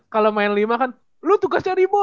kalau main lima kan lu tugas cari mon